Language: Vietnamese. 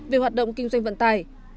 về hoạt động kinh doanh vận tải